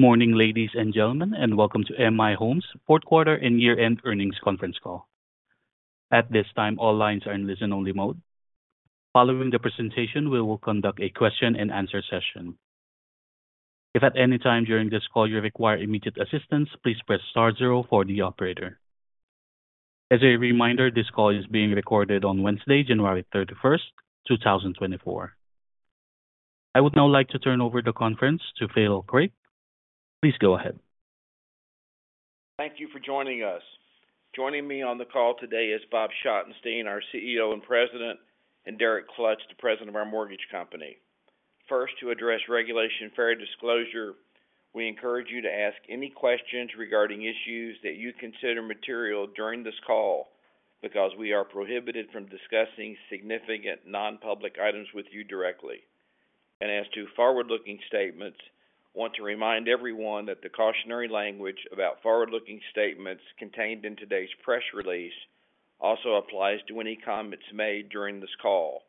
Good morning, ladies and gentlemen, and welcome to M/I Homes' fourth quarter and year-end earnings conference call. At this time, all lines are in listen-only mode. Following the presentation, we will conduct a question-and-answer session. If at any time during this call you require immediate assistance, please press star zero for the operator. As a reminder, this call is being recorded on Wednesday, January 31st, 2024. I would now like to turn over the conference to Phil Creek. Please go ahead. Thank you for joining us. Joining me on the call today is Bob Schottenstein, our CEO and President, and Derek Klutch, the President of our mortgage company. First, to address Regulation Fair Disclosure, we encourage you to ask any questions regarding issues that you consider material during this call, because we are prohibited from discussing significant non-public items with you directly. And as to forward-looking statements, I want to remind everyone that the cautionary language about forward-looking statements contained in today's press release also applies to any comments made during this call.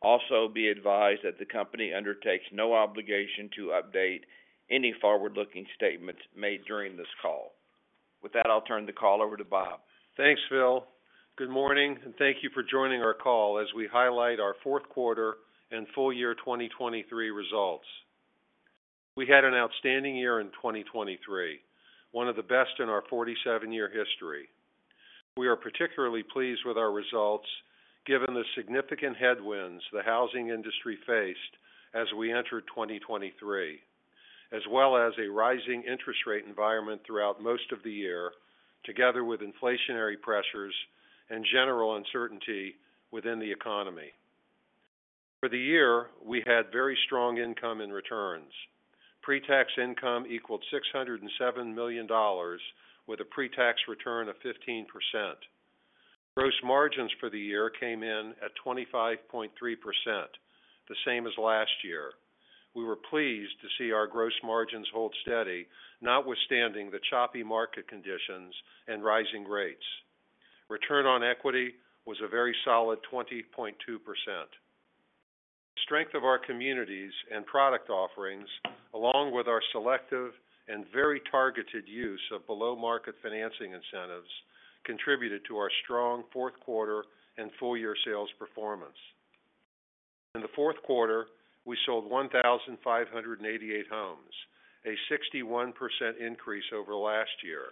Also, be advised that the company undertakes no obligation to update any forward-looking statements made during this call. With that, I'll turn the call over to Bob. Thanks, Phil. Good morning, and thank you for joining our call as we highlight our fourth quarter and full year 2023 results. We had an outstanding year in 2023, one of the best in our 47-year history. We are particularly pleased with our results, given the significant headwinds the housing industry faced as we entered 2023, as well as a rising interest rate environment throughout most of the year, together with inflationary pressures and general uncertainty within the economy. For the year, we had very strong income and returns. Pre-tax income equaled $607 million, with a pre-tax return of 15%. Gross margins for the year came in at 25.3%, the same as last year. We were pleased to see our gross margins hold steady, notwithstanding the choppy market conditions and rising rates. Return on equity was a very solid 20.2%. The strength of our communities and product offerings, along with our selective and very targeted use of below-market financing incentives, contributed to our strong fourth quarter and full-year sales performance. In the fourth quarter, we sold 1,588 homes, a 61% increase over last year,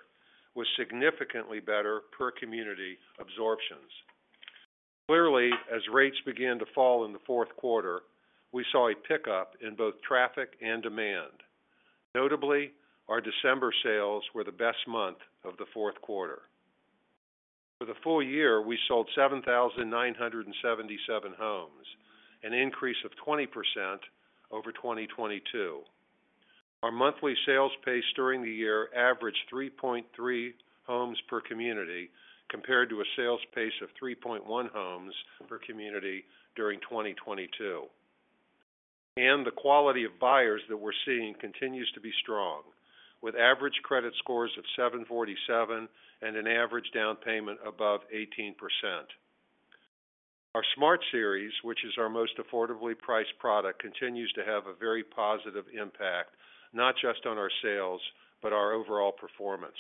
with significantly better per community absorptions. Clearly, as rates began to fall in the fourth quarter, we saw a pickup in both traffic and demand. Notably, our December sales were the best month of the fourth quarter. For the full year, we sold 7,977 homes, an increase of 20% over 2022. Our monthly sales pace during the year averaged 3.3 homes per community, compared to a sales pace of 3.1 homes per community during 2022. The quality of buyers that we're seeing continues to be strong, with average credit scores of 747 and an average down payment above 18%. Our Smart Series, which is our most affordably priced product, continues to have a very positive impact, not just on our sales, but our overall performance.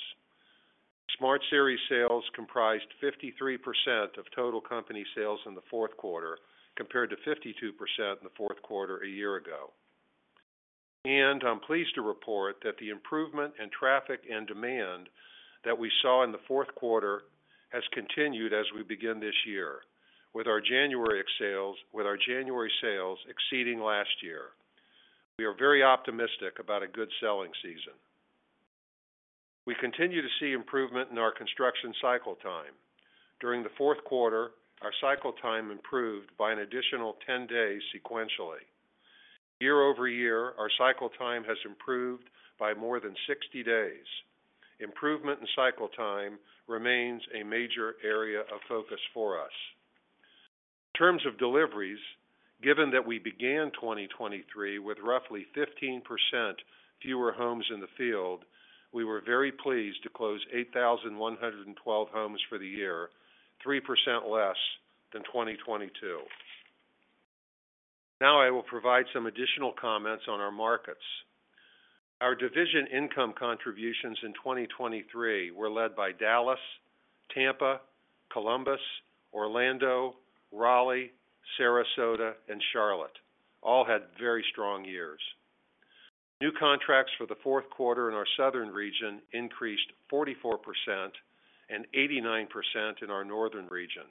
Smart Series sales comprised 53% of total company sales in the fourth quarter, compared to 52% in the fourth quarter a year ago. I'm pleased to report that the improvement in traffic and demand that we saw in the fourth quarter has continued as we begin this year, with our January sales exceeding last year. We are very optimistic about a good selling season. We continue to see improvement in our construction cycle time. During the fourth quarter, our cycle time improved by an additional 10 days sequentially. Year-over-year, our cycle time has improved by more than 60 days. Improvement in cycle time remains a major area of focus for us. In terms of deliveries, given that we began 2023 with roughly 15% fewer homes in the field, we were very pleased to close 8,112 homes for the year, 3% less than 2022. Now, I will provide some additional comments on our markets. Our division income contributions in 2023 were led by Dallas, Tampa, Columbus, Orlando, Raleigh, Sarasota, and Charlotte. All had very strong years. New contracts for the fourth quarter in our southern region increased 44% and 89% in our northern region.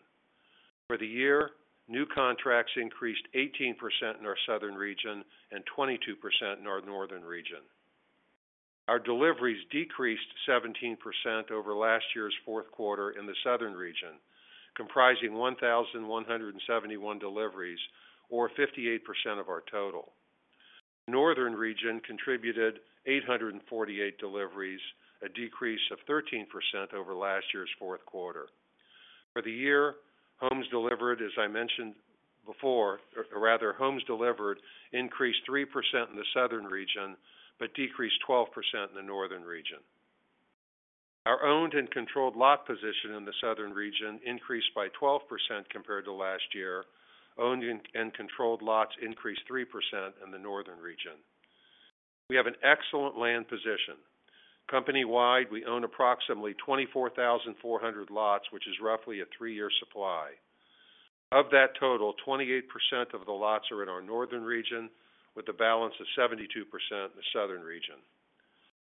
For the year, new contracts increased 18% in our southern region and 22% in our northern region. Our deliveries decreased 17% over last year's fourth quarter in the southern region, comprising 1,171 deliveries or 58% of our total. Northern region contributed 848 deliveries, a decrease of 13% over last year's fourth quarter. For the year, homes delivered, as I mentioned before-or rather, homes delivered increased 3% in the southern region, but decreased 12% in the northern region. Our owned and controlled lot position in the southern region increased by 12% compared to last year. Owned and controlled lots increased 3% in the northern region. We have an excellent land position. Company-wide, we own approximately 24,400 lots, which is roughly a three-year supply. Of that total, 28% of the lots are in our northern region, with a balance of 72% in the southern region.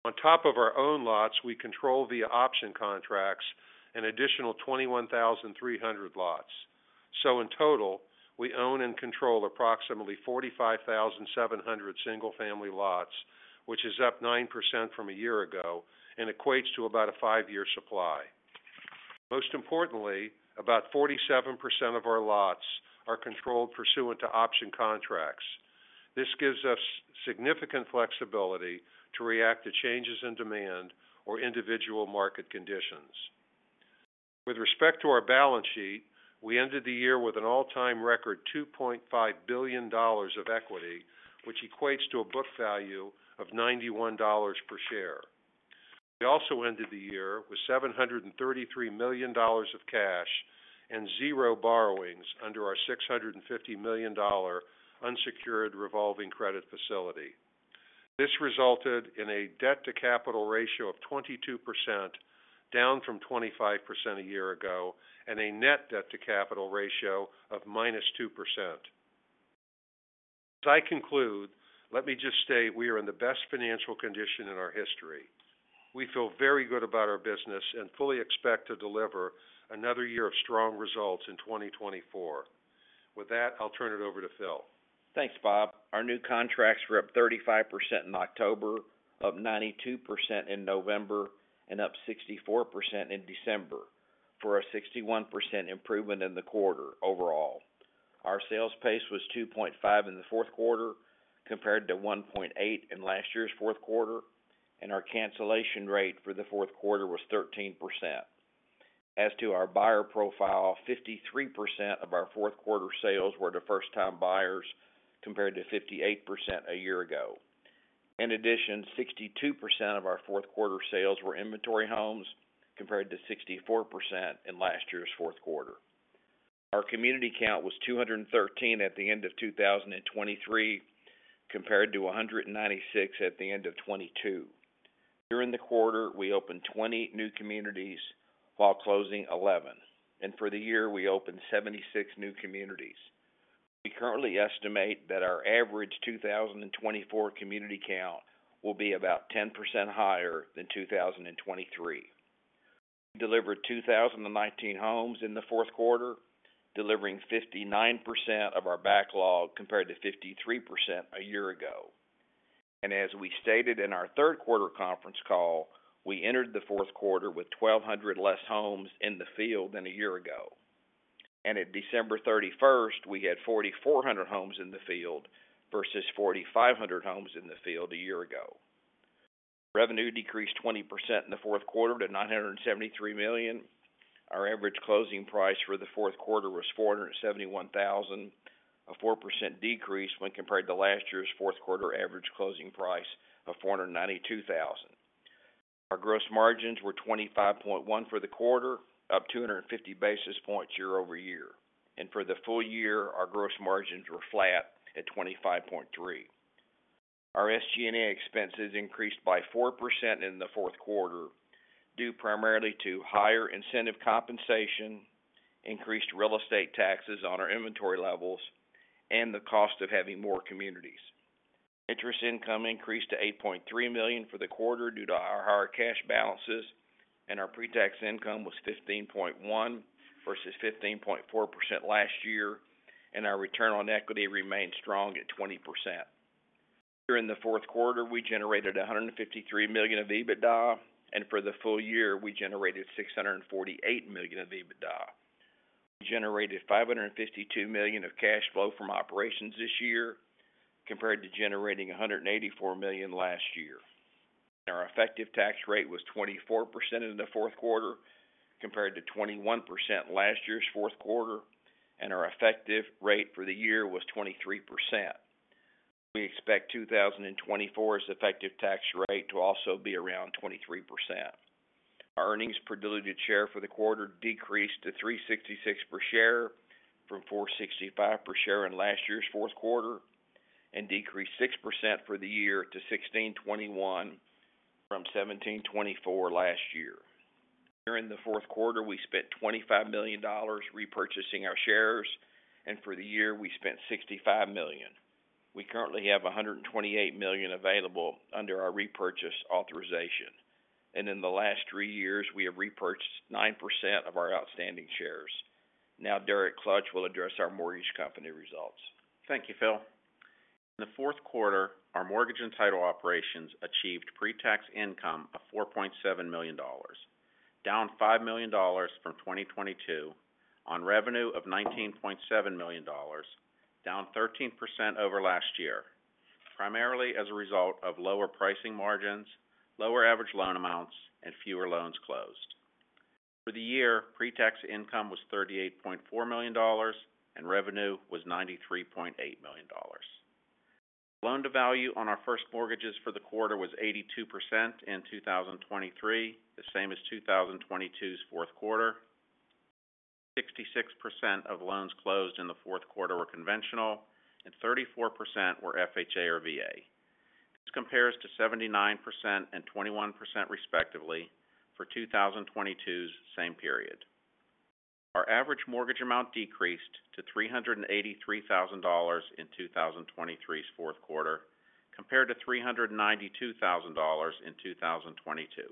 On top of our own lots, we control via option contracts, an additional 21,300 lots. So in total, we own and control approximately 45,700 single-family lots, which is up 9% from a year ago and equates to about a five year supply. Most importantly, about 47% of our lots are controlled pursuant to option contracts. This gives us significant flexibility to react to changes in demand or individual market conditions. With respect to our balance sheet, we ended the year with an all-time record, $2.5 billion of equity, which equates to a book value of $91 per share. We also ended the year with $733 million of cash and zero borrowings under our $650 million unsecured revolving credit facility. This resulted in a debt-to-capital ratio of 22%, down from 25% a year ago, and a net debt-to-capital ratio of -2%. As I conclude, let me just state: we are in the best financial condition in our history. We feel very good about our business and fully expect to deliver another year of strong results in 2024. With that, I'll turn it over to Phil. Thanks, Bob. Our new contracts were up 35% in October, up 92% in November, and up 64% in December, for a 61% improvement in the quarter overall. Our sales pace was 2.5 in the fourth quarter, compared to 1.8 in last year's fourth quarter, and our cancellation rate for the fourth quarter was 13%. As to our buyer profile, 53% of our fourth quarter sales were to first-time buyers, compared to 58% a year ago. In addition, 62% of our fourth quarter sales were inventory homes, compared to 64% in last year's fourth quarter. Our community count was 213 at the end of 2023, compared to 196 at the end of 2022. During the quarter, we opened 20 new communities while closing 11, and for the year, we opened 76 new communities. We currently estimate that our average 2024 community count will be about 10% higher than 2023. We delivered 2,019 homes in the fourth quarter, delivering 59% of our backlog, compared to 53% a year ago. And as we stated in our third quarter conference call, we entered the fourth quarter with 1,200 less homes in the field than a year ago. And at December 31st, we had 4,400 homes in the field versus 4,500 homes in the field a year ago. Revenue decreased 20% in the fourth quarter to $973 million. Our average closing price for the fourth quarter was $471,000, a 4% decrease when compared to last year's fourth quarter average closing price of $492,000. Our gross margins were 25.1% for the quarter, up 250 basis points year-over-year. For the full year, our gross margins were flat at 25.3%. Our SG&A expenses increased by 4% in the fourth quarter, due primarily to higher incentive compensation, increased real estate taxes on our inventory levels, and the cost of having more communities. Interest income increased to $8.3 million for the quarter due to our higher cash balances, and our pre-tax income was 15.1% versus 15.4% last year, and our return on equity remained strong at 20%. Here in the fourth quarter, we generated $153 million of EBITDA, and for the full year, we generated $648 million of EBITDA. We generated $552 million of cash flow from operations this year, compared to generating $184 million last year. Our effective tax rate was 24% in the fourth quarter, compared to 21% last year's fourth quarter, and our effective rate for the year was 23%. We expect 2024's effective tax rate to also be around 23%. Our earnings per diluted share for the quarter decreased to $3.66 per share from $4.65 per share in last year's fourth quarter, and decreased 6% for the year to $16.21 from $17.24 last year. Here in the fourth quarter, we spent $25 million repurchasing our shares, and for the year, we spent $65 million. We currently have $128 million available under our repurchase authorization. In the last three years, we have repurchased 9% of our outstanding shares. Now, Derek Klutch will address our mortgage company results. Thank you, Phil. In the fourth quarter, our mortgage and title operations achieved pre-tax income of $4.7 million, down $5 million from 2022 on revenue of $19.7 million, down 13% over last year, primarily as a result of lower pricing margins, lower average loan amounts, and fewer loans closed. For the year, pre-tax income was $38.4 million, and revenue was $93.8 million. Loan to value on our first mortgages for the quarter was 82% in 2023, the same as 2022's fourth quarter. 66% of loans closed in the fourth quarter were conventional, and 34% were FHA or VA. This compares to 79% and 21%, respectively, for 2022's same period. Our average mortgage amount decreased to $383,000 in 2023's fourth quarter, compared to $392,000 in 2022.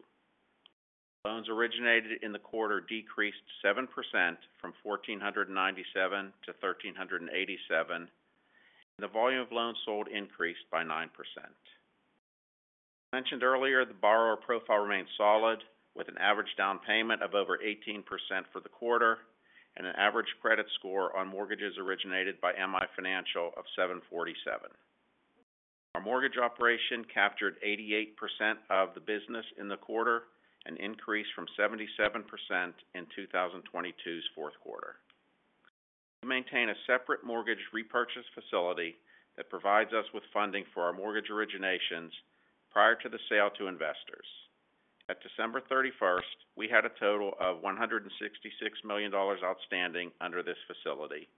Loans originated in the quarter decreased 7% from 1,497-1,387, and the volume of loans sold increased by 9%. Mentioned earlier, the borrower profile remained solid, with an average down payment of over 18% for the quarter and an average credit score on mortgages originated by M/I Financial of 747. Our mortgage operation captured 88% of the business in the quarter, an increase from 77% in 2022's fourth quarter. We maintain a separate mortgage repurchase facility that provides us with funding for our mortgage originations prior to the sale to investors. At December 31st, we had a total of $166 million outstanding under this facility,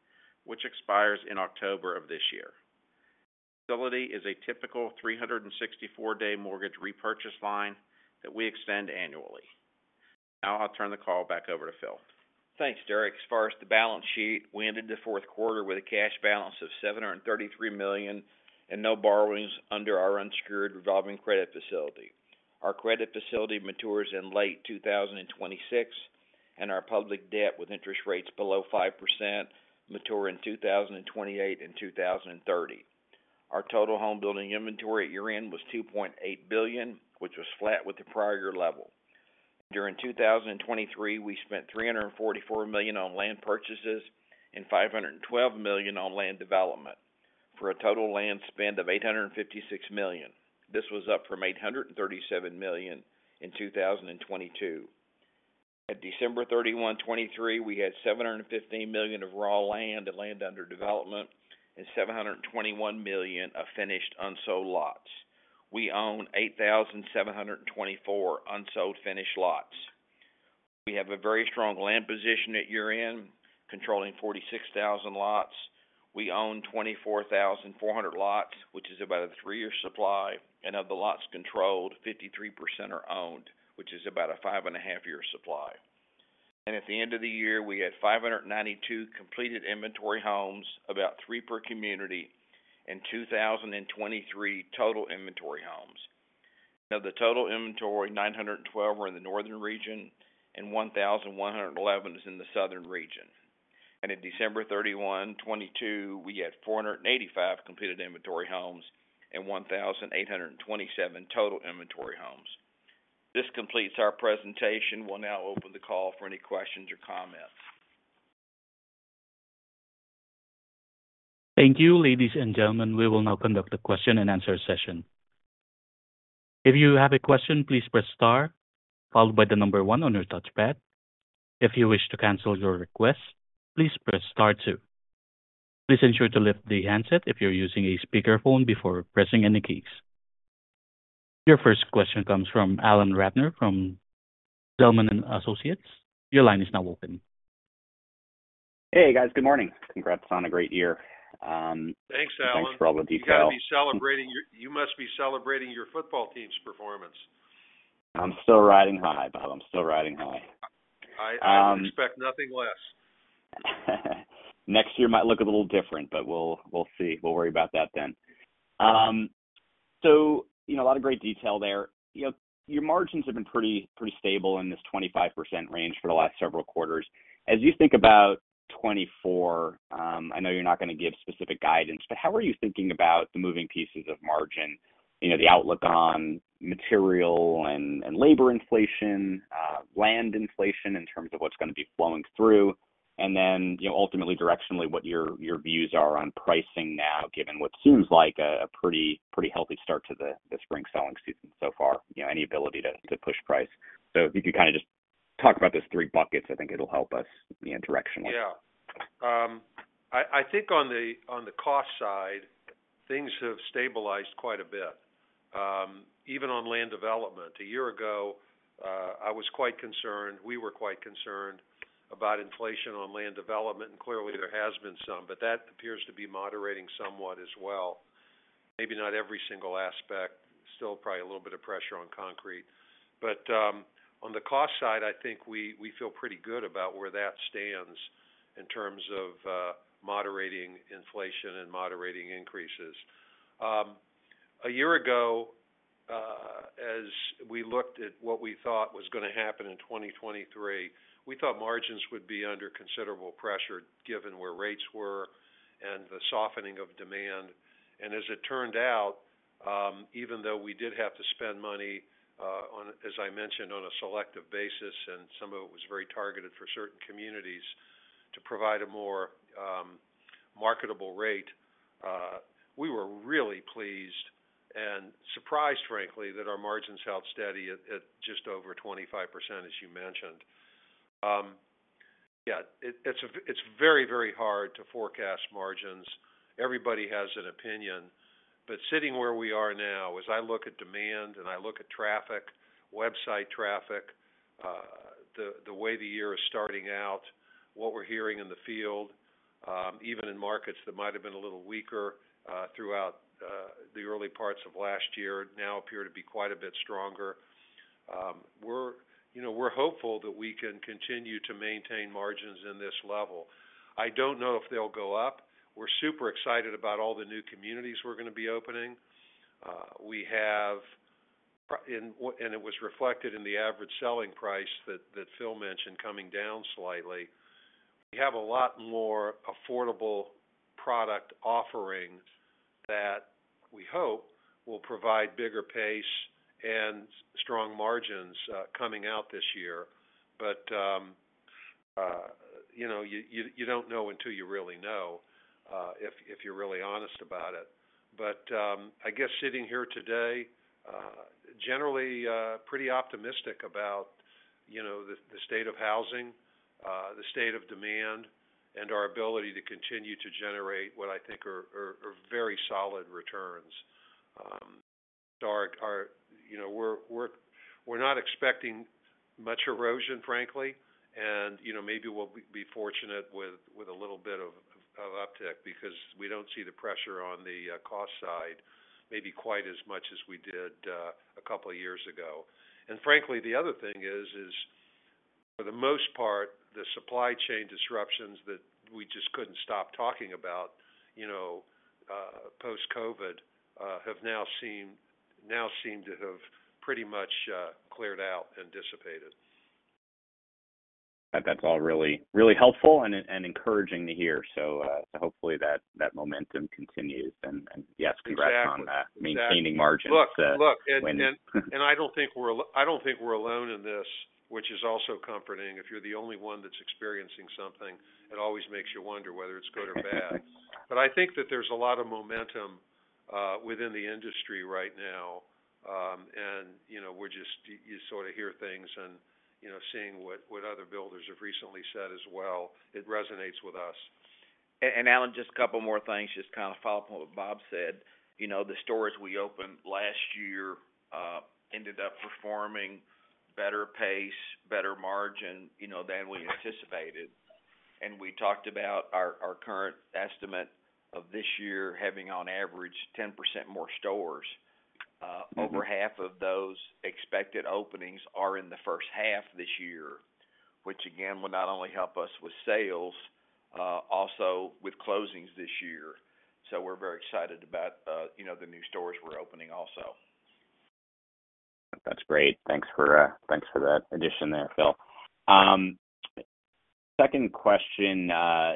which expires in October of this year. Facility is a typical 364-day mortgage repurchase line that we extend annually. Now I'll turn the call back over to Phil. Thanks, Derek. As far as the balance sheet, we ended the fourth quarter with a cash balance of $733 million, and no borrowings under our unsecured revolving credit facility. Our credit facility matures in late 2026, and our public debt with interest rates below 5% mature in 2028 and 2030. Our total home building inventory at year-end was $2.8 billion, which was flat with the prior year level. During 2023, we spent $344 million on land purchases and $512 million on land development, for a total land spend of $856 million. This was up from $837 million in 2022. At December 31, 2023, we had $715 million of raw land and land under development and $721 million of finished, unsold lots. We own 8,724 unsold, finished lots. We have a very strong land position at year-end, controlling 46,000 lots. We own 24,400 lots, which is about a three-year supply, and of the lots controlled, 53% are owned, which is about a 5.5-year supply. At the end of the year, we had 592 completed inventory homes, about three per community, and 2,023 total inventory homes. Now, the total inventory, 912, were in the northern region, and 1,111 is in the southern region. In December 31, 2022, we had 485 completed inventory homes and 1,827 total inventory homes. This completes our presentation. We'll now open the call for any questions or comments. Thank you, ladies and gentlemen. We will now conduct a question and answer session. If you have a question, please press star, followed by the number one on your touchpad. If you wish to cancel your request, please press star two. Please ensure to lift the handset if you're using a speakerphone before pressing any keys. Your first question comes from Alan Ratner, from Zelman & Associates. Your line is now open. Hey, guys. Good morning. Congrats on a great year. Thanks, Alan. Thanks for all the detail. You got to be celebrating your. You must be celebrating your football team's performance. I'm still riding high, Bob. I'm still riding high. I expect nothing less. Next year might look a little different, but we'll, we'll see. We'll worry about that then. So, you know, a lot of great detail there. You know, your margins have been pretty, pretty stable in this 25% range for the last several quarters. As you think about 2024, I know you're not going to give specific guidance, but how are you thinking about the moving pieces of margin? You know, the outlook on material and labor inflation, land inflation in terms of what's going to be flowing through. And then, you know, ultimately, directionally, what your views are on pricing now, given what seems like a pretty, pretty healthy start to the spring selling season so far, you know, any ability to push price. If you could kind of just talk about those three buckets, I think it'll help us directionally. Yeah. I think on the cost side, things have stabilized quite a bit, even on land development. A year ago, I was quite concerned, we were quite concerned about inflation on land development, and clearly there has been some, but that appears to be moderating somewhat as well. Maybe not every single aspect, still probably a little bit of pressure on concrete. But, on the cost side, I think we feel pretty good about where that stands in terms of moderating inflation and moderating increases. A year ago, as we looked at what we thought was going to happen in 2023, we thought margins would be under considerable pressure, given where rates were and the softening of demand. As it turned out, even though we did have to spend money, on, as I mentioned, on a selective basis, and some of it was very targeted for certain communities. To provide a more marketable rate, we were really pleased and surprised, frankly, that our margins held steady at just over 25%, as you mentioned. Yeah, it's very, very hard to forecast margins. Everybody has an opinion, but sitting where we are now, as I look at demand, and I look at traffic, website traffic, the way the year is starting out, what we're hearing in the field, even in markets that might have been a little weaker throughout the early parts of last year, now appear to be quite a bit stronger. We're, you know, we're hopeful that we can continue to maintain margins in this level. I don't know if they'll go up. We're super excited about all the new communities we're going to be opening. We have and it was reflected in the average selling price that Phil mentioned, coming down slightly. We have a lot more affordable product offerings that we hope will provide bigger pace and strong margins, coming out this year. But, you know, you don't know until you really know, if you're really honest about it. But, I guess sitting here today, generally, pretty optimistic about, you know, the state of housing, the state of demand, and our ability to continue to generate what I think are very solid returns. Start our. You know, we're not expecting much erosion, frankly, and, you know, maybe we'll be fortunate with a little bit of uptick because we don't see the pressure on the cost side, maybe quite as much as we did a couple of years ago. And frankly, the other thing is for the most part, the supply chain disruptions that we just couldn't stop talking about, you know, post-COVID, now seem to have pretty much cleared out and dissipated. That's all really, really helpful and encouraging to hear. So, hopefully, that momentum continues. And yes. Exactly. Congrats on that, maintaining margins, when. Look, I don't think we're alone in this, which is also comforting. If you're the only one that's experiencing something, it always makes you wonder whether it's good or bad. But I think that there's a lot of momentum within the industry right now. You know, you sort of hear things and, you know, seeing what other builders have recently said as well. It resonates with us. And Alan, just a couple more things, just kind of follow-up on what Bob said. You know, the stores we opened last year, ended up performing better pace, better margin, you know, than we anticipated. Mm-hmm. We talked about our current estimate of this year having on average 10% more stores. Mm-hmm. Over half of those expected openings are in the first half this year, which again, will not only help us with sales, also with closings this year. So we're very excited about, you know, the new stores we're opening also. That's great. Thanks for, thanks for that addition there, Phil. Second question,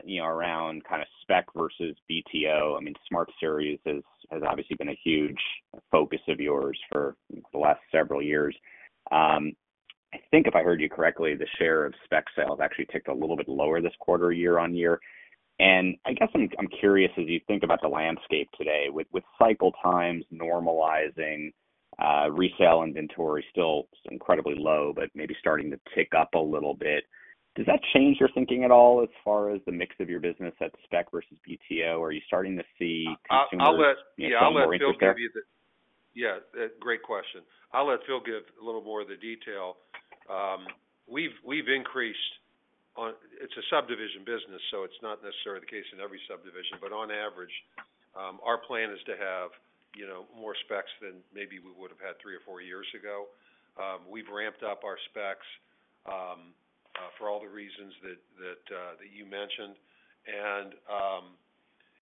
you know, around kind of spec versus BTO. I mean, Smart Series has, has obviously been a huge focus of yours for the last several years. I think if I heard you correctly, the share of spec sales actually ticked a little bit lower this quarter, year-over-year. And I guess I'm, I'm curious, as you think about the landscape today with, with cycle times normalizing, resale inventory still incredibly low, but maybe starting to tick up a little bit, does that change your thinking at all as far as the mix of your business at spec versus BTO? Are you starting to see consumers. I'll let. Yeah, more interest there? I'll let Phil give you the, yeah, great question. I'll let Phil give a little more of the detail. We've increased on. It's a subdivision business, so it's not necessarily the case in every subdivision, but on average, our plan is to have, you know, more specs than maybe we would have had three or four years ago. We've ramped up our specs for all the reasons that you mentioned. And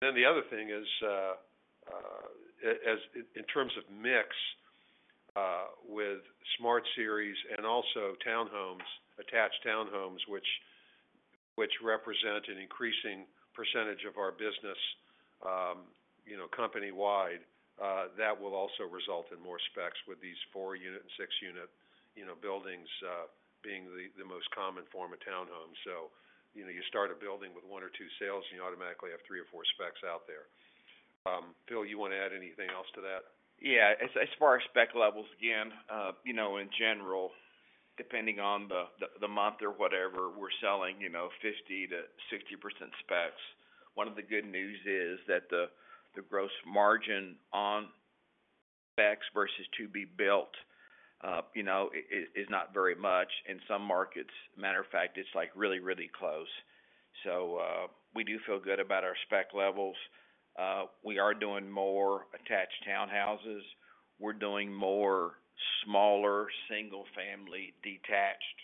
then the other thing is, in terms of mix, with Smart Series and also townhomes, attached townhomes, which represent an increasing percentage of our business, you know, company-wide, that will also result in more specs with these four-unit and six-unit, you know, buildings being the most common form of townhomes. You know, you start a building with one or two sales, and you automatically have three or four specs out there. Phil, you want to add anything else to that? Yeah. As far as spec levels, again, you know, in general, depending on the month or whatever, we're selling, you know, 50%-60% specs. One of the good news is that the gross margin on specs versus to be built, you know, is not very much. In some markets, matter of fact, it's like really, really close. So, we do feel good about our spec levels. We are doing more attached townhouses. We're doing more smaller, single-family, detached,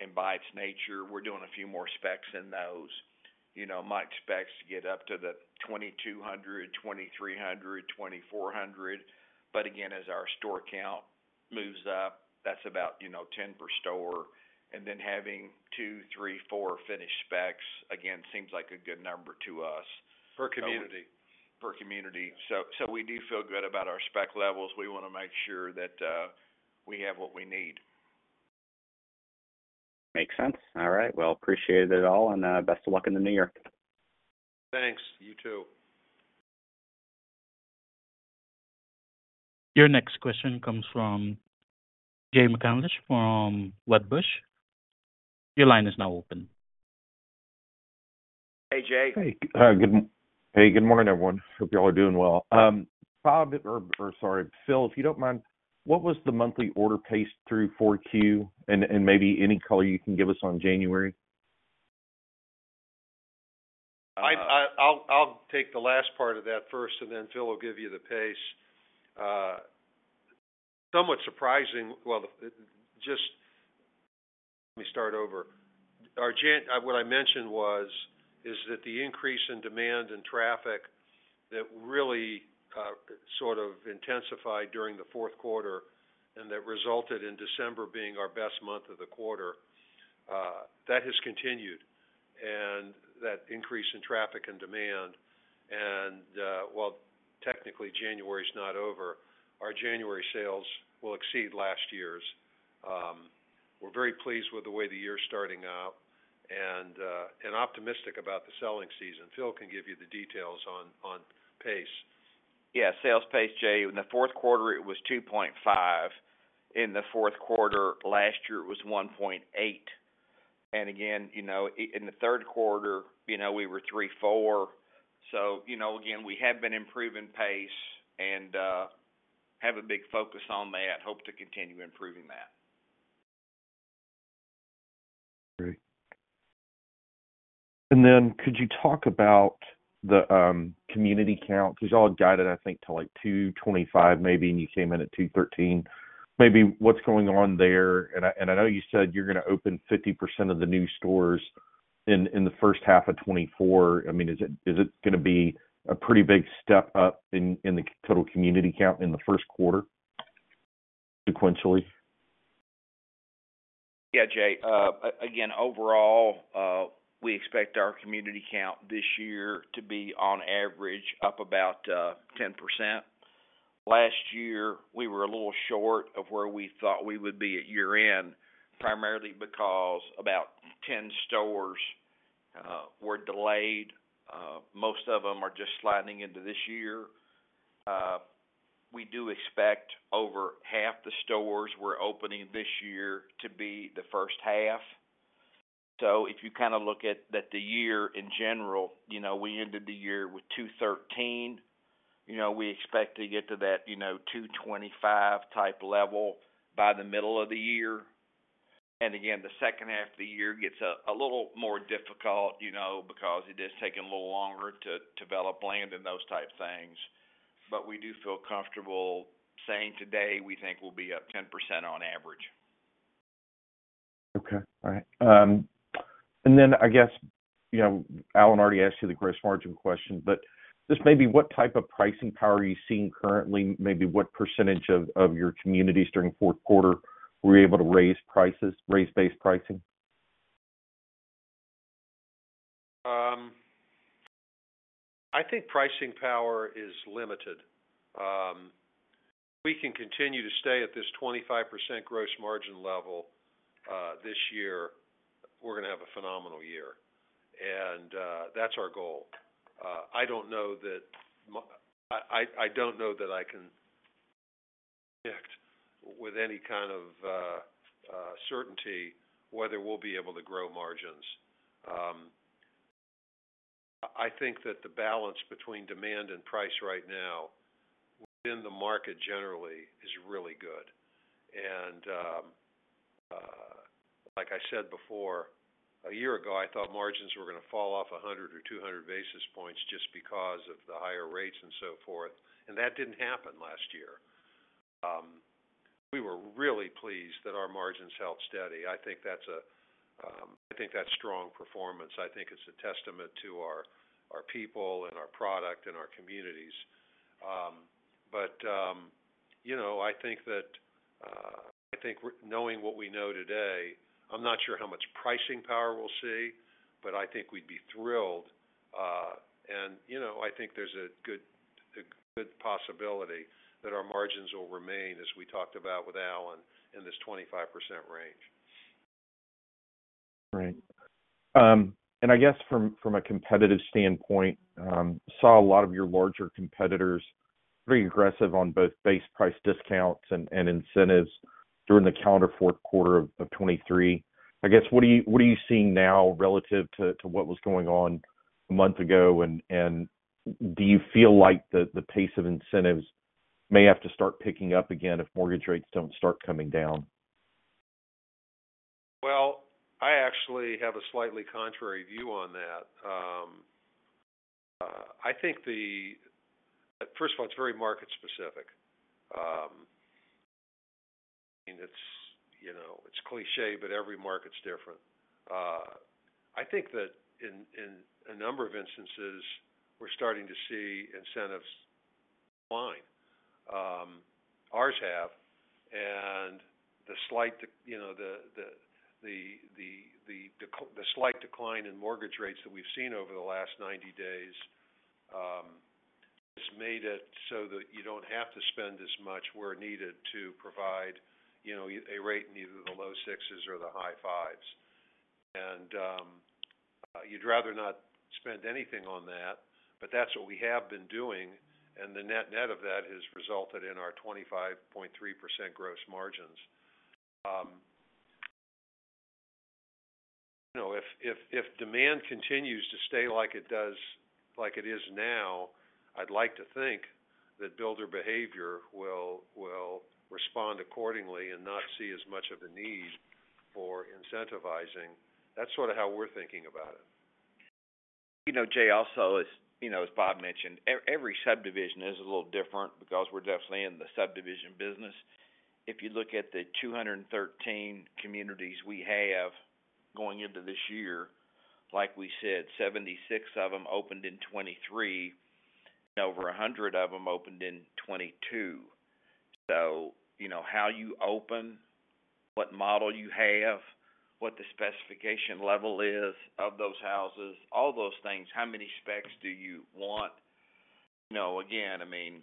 and by its nature, we're doing a few more specs in those. You know, Mike specs get up to the 2,200, 2,300, 2,400. But again, as our store count moves up, that's about, you know, 10 per store. And then having two, three, four finished specs, again, seems like a good number to us. Per community? Per community. So, so we do feel good about our spec levels. We want to make sure that we have what we need. Makes sense. All right. Well, appreciate it all, and best of luck in the new year. Thanks. You too. Your next question comes from Jay McCanless from Wedbush. Your line is now open. Hey, Jay. Hey, good morning, everyone. Hope you all are doing well. Bob, or sorry, Phil, if you don't mind, what was the monthly order pace through 4Q, and maybe any color you can give us on January? I'll take the last part of that first, and then Phil will give you the pace. Well, just let me start over. Our January, what I mentioned was, is that the increase in demand and traffic that really, sort of intensified during the fourth quarter, and that resulted in December being our best month of the quarter, that has continued, and that increase in traffic and demand. And, while technically January is not over, our January sales will exceed last year's. We're very pleased with the way the year is starting out and, and optimistic about the selling season. Phil can give you the details on pace. Yeah, sales pace, Jay. In the fourth quarter, it was 2.5. In the fourth quarter last year, it was 1.8. And again, you know, in the third quarter, you know, we were 3-4. So, you know, again, we have been improving pace and have a big focus on that. Hope to continue improving that. Great. And then could you talk about the, community count? Because you all guided, I think, to like 225 maybe, and you came in at 213. Maybe what's going on there, and I, and I know you said you're going to open 50% of the new communities in, in the first half of 2024. I mean, is it, is it gonna be a pretty big step up in, in the total community count in the first quarter, sequentially? Yeah, Jay. Again, overall, we expect our community count this year to be on average, up about 10%. Last year, we were a little short of where we thought we would be at year end, primarily because about 10 stores were delayed. Most of them are just sliding into this year. We do expect over half the stores we're opening this year to be the first half. So if you kind of look at that the year in general, you know, we ended the year with 213. You know, we expect to get to that, you know, 225 type level by the middle of the year. And again, the second half of the year gets a little more difficult, you know, because it is taking a little longer to develop land and those type things. We do feel comfortable saying today, we think we'll be up 10% on average. Okay. All right. And then I guess, you know, Alan already asked you the gross margin question, but just maybe what type of pricing power are you seeing currently? Maybe what percentage of, your communities during fourth quarter were you able to raise prices, raise base pricing? I think pricing power is limited. If we can continue to stay at this 25% gross margin level, this year, we're going to have a phenomenal year, and that's our goal. I don't know that I can predict with any kind of certainty whether we'll be able to grow margins. I think that the balance between demand and price right now within the market generally is really good. And, like I said before, a year ago, I thought margins were going to fall off 100 or 200 basis points just because of the higher rates and so forth, and that didn't happen last year. We were really pleased that our margins held steady. I think that's a, I think that's strong performance. I think it's a testament to our people and our product and our communities. But, you know, I think that I think knowing what we know today, I'm not sure how much pricing power we'll see, but I think we'd be thrilled. And, you know, I think there's a good possibility that our margins will remain, as we talked about with Alan, in this 25% range. Right. And I guess from a competitive standpoint, saw a lot of your larger competitors pretty aggressive on both base price discounts and incentives during the calendar fourth quarter of 2023. I guess, what are you seeing now relative to what was going on a month ago? And do you feel like the pace of incentives may have to start picking up again if mortgage rates don't start coming down? Well, I actually have a slightly contrary view on that. I think. First of all, it's very market specific. It's, you know, it's cliché, but every market's different. I think that in a number of instances, we're starting to see incentives decline. Ours have, and the slight decline in mortgage rates that we've seen over the last 90 days has made it so that you don't have to spend as much where needed to provide, you know, a rate in either the low 6s or the high 5s. You'd rather not spend anything on that, but that's what we have been doing, and the net of that has resulted in our 25.3% gross margins. You know, if demand continues to stay like it does, like it is now, I'd like to think that builder behavior will respond accordingly and not see as much of a need for incentivizing. That's sort of how we're thinking about it. You know, Jay, also, as you know, as Bob mentioned, every subdivision is a little different because we're definitely in the subdivision business. If you look at the 213 communities we have going into this year, like we said, 76 of them opened in 2023, and over 100 of them opened in 2022. So you know, how you open, what model you have, what the specification level is of those houses, all those things, how many specs do you want? You know, again, I mean,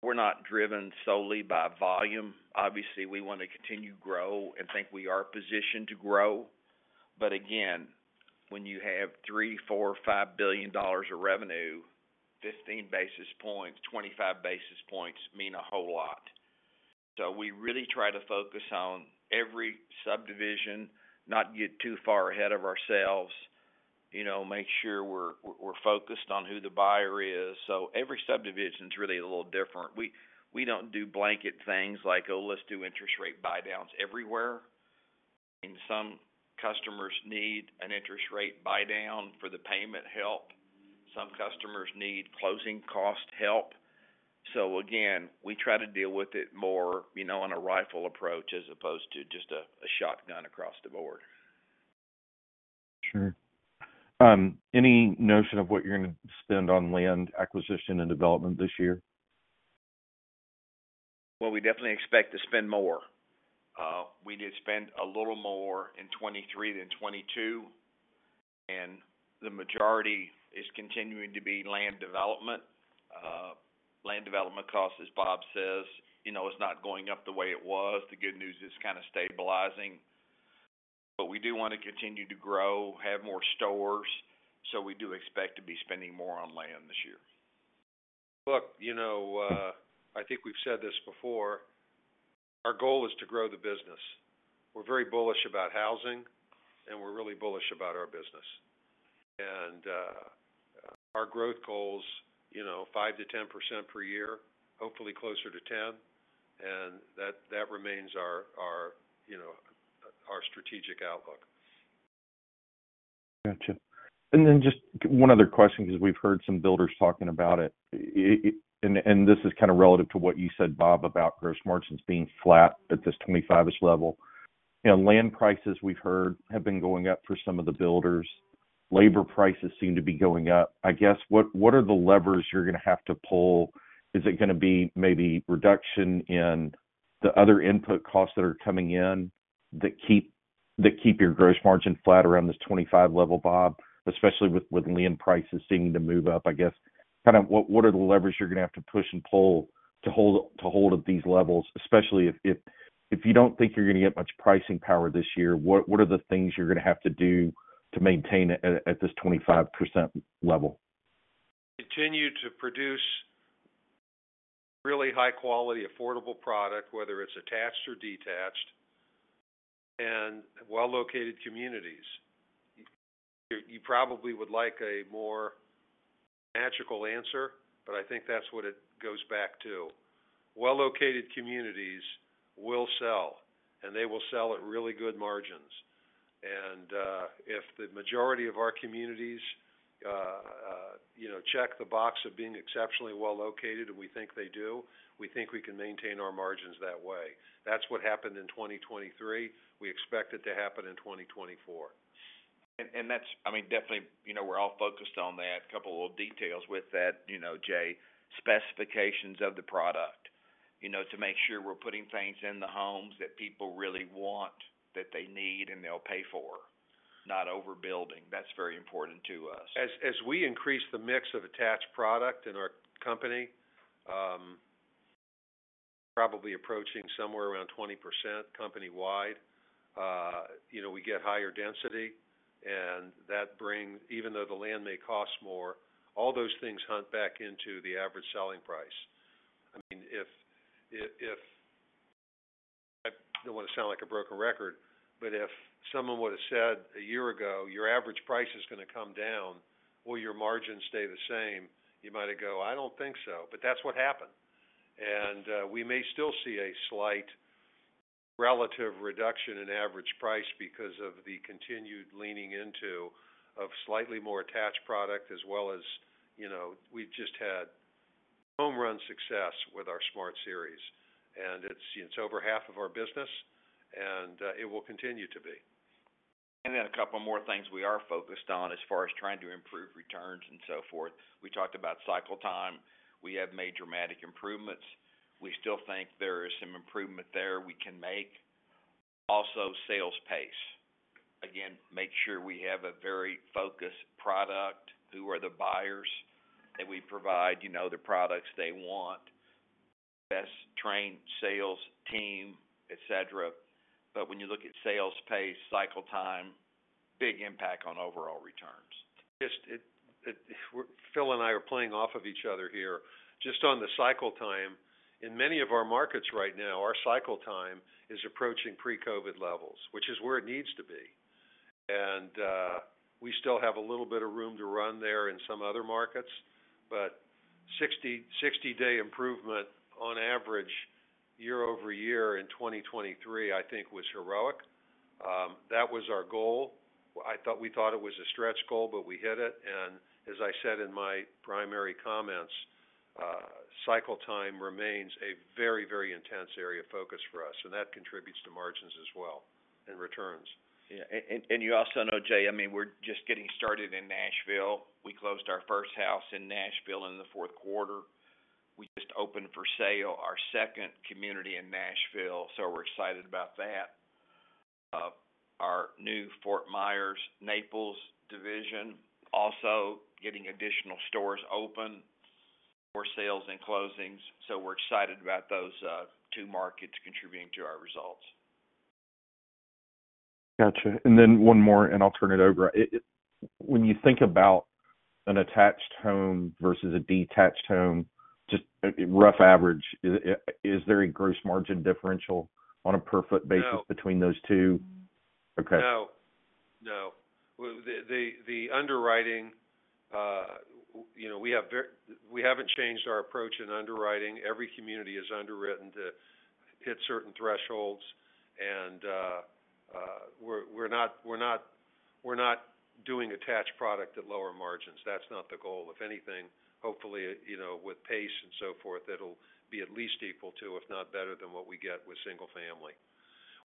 we're not driven solely by volume. Obviously, we want to continue to grow and think we are positioned to grow. But again, when you have $3 billion, $4 billion, $5 billion of revenue, 15 basis points, 25 basis points mean a whole lot. So we really try to focus on every subdivision, not get too far ahead of ourselves, you know, make sure we're focused on who the buyer is. So every subdivision is really a little different. We don't do blanket things like, oh, let's do interest rate buy downs everywhere. I mean, some customers need an interest rate buy down for the payment help. Some customers need closing cost help. So again, we try to deal with it more, you know, on a rifle approach as opposed to just a shotgun across the board. Sure. Any notion of what you're going to spend on land acquisition and development this year? Well, we definitely expect to spend more. We did spend a little more in 2023 than 2022, and the majority is continuing to be land development. Land development costs, as Bob says, you know, is not going up the way it was. The good news is, it's kind of stabilizing. But we do want to continue to grow, have more stores, so we do expect to be spending more on land this year. Look, you know, I think we've said this before, our goal is to grow the business. We're very bullish about housing, and we're really bullish about our business. And, our growth goals, you know, 5%-10% per year, hopefully closer to 10, and that, that remains our, our, you know, our strategic outlook. Got you. And then just one other question, because we've heard some builders talking about it. And this is kind of relative to what you said, Bob, about gross margins being flat at this 25-ish level. You know, land prices, we've heard, have been going up for some of the builders. Labor prices seem to be going up. I guess, what are the levers you're going to have to pull? Is it going to be maybe reduction in the other input costs that are coming in that keep your gross margin flat around this 25 level, Bob? Especially with land prices seeming to move up, I guess, kind of what are the levers you're going to have to push and pull to hold at these levels? Especially if you don't think you're going to get much pricing power this year, what are the things you're going to have to do to maintain it at this 25% level? Continue to produce really high-quality, affordable product, whether it's attached or detached, and well-located communities. You probably would like a more magical answer, but I think that's what it goes back to. Well-located communities will sell, and they will sell at really good margins. If the majority of our communities, you know, check the box of being exceptionally well-located, and we think they do, we think we can maintain our margins that way. That's what happened in 2023. We expect it to happen in 2024. And that's. I mean, definitely, you know, we're all focused on that. A couple of little details with that, you know, Jay, specifications of the product, you know, to make sure we're putting things in the homes that people really want, that they need, and they'll pay for, not overbuilding. That's very important to us. As we increase the mix of attached product in our company, probably approaching somewhere around 20% company-wide, you know, we get higher density, and that brings—even though the land may cost more, all those things hunt back into the average selling price. I mean, if, if, I don't want to sound like a broken record, but if someone would have said a year ago, "Your average price is going to come down, or your margin stay the same," you might have go, "I don't think so." That's what happened. We may still see a slight relative reduction in average price because of the continued leaning into of slightly more attached product as well as, you know, we've just had home run success with our Smart Series, and it's over half of our business, and it will continue to be. And then a couple more things we are focused on as far as trying to improve returns and so forth. We talked about cycle time. We have made dramatic improvements. We still think there is some improvement there we can make. Also, sales pace. Again, make sure we have a very focused product. Who are the buyers that we provide, you know, the products they want? Best trained sales team, et cetera. But when you look at sales pace, cycle time, big impact on overall returns. Phil and I are playing off of each other here. Just on the cycle time, in many of our markets right now, our cycle time is approaching pre-COVID levels, which is where it needs to be. And we still have a little bit of room to run there in some other markets, but 60-day improvement on average, year-over-year in 2023, I think was heroic. That was our goal. I thought, we thought it was a stretch goal, but we hit it, and as I said in my primary comments, cycle time remains a very, very intense area of focus for us, and that contributes to margins as well, and returns. Yeah, and you also know, Jay, I mean, we're just getting started in Nashville. We closed our first house in Nashville in the fourth quarter. We just opened for sale our second community in Nashville, so we're excited about that. Our new Fort Myers, Naples division, also getting additional stores open for sales and closings. So we're excited about those two markets contributing to our results. Got you. And then one more, and I'll turn it over. When you think about an attached home versus a detached home, just rough average, is there a gross margin differential on a per foot basis. No. between those two? Okay. No. No. Well, the underwriting, you know, we have very. We haven't changed our approach in underwriting. Every community is underwritten to hit certain thresholds, and we're not doing attached product at lower margins. That's not the goal. If anything, hopefully, you know, with pace and so forth, it'll be at least equal to, if not better than what we get with single family.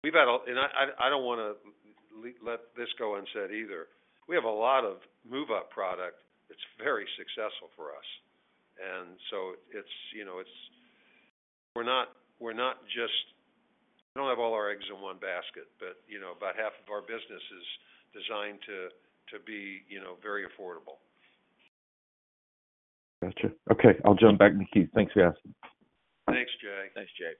We've had a. I don't want to let this go unsaid either. We have a lot of move-up product that's very successful for us, and so it's, you know, it's -- we're not just -- we don't have all our eggs in one basket, but, you know, about half of our business is designed to be, you know, very affordable. Gotcha. Okay, I'll jump back to Keith. Thanks, guys. Thanks, Jay. Thanks, Jay.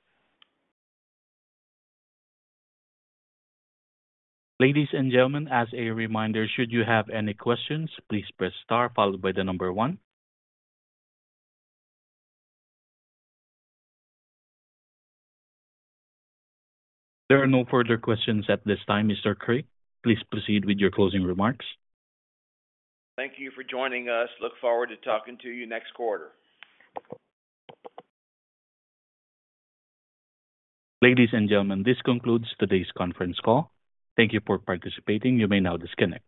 Ladies and gentlemen, as a reminder, should you have any questions, please press star followed by the number one. There are no further questions at this time, Mr. Creek. Please proceed with your closing remarks. Thank you for joining us. Look forward to talking to you next quarter. Ladies and gentlemen, this concludes today's conference call. Thank you for participating. You may now disconnect.